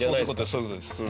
そういう事です。